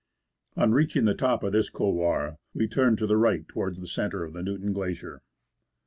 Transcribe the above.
On reaching the top of this couloir we turned to the right towards the centre of the Newton Glacier.